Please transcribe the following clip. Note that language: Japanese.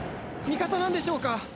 味方なんでしょうか？